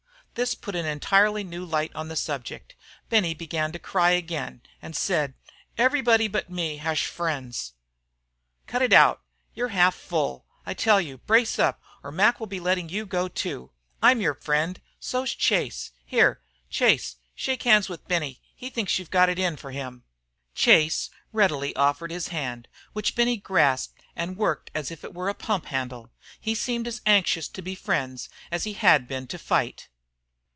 This put an entirely different light on the subject. Benny began to cry again, and said, "Everybody but me hash frens." "Cut it out! You're half full, I tell you. Brace up, or Mac will be letting you go, too. I'm your friend. So's Chase. Here, Chase, shake hands with Benny. He thinks you've got it in for him." Chase readily offered his hand, which Benny grasped and worked as if it were a pump handle. He seemed as anxious to be friends as he had been to fight.